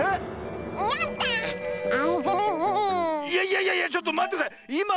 いやいやいやいやちょっとまってください。